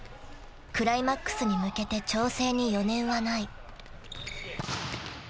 ［クライマックスに向けて調整に余念はない］